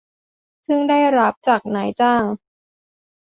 ซึ่งได้รับจากนายจ้าง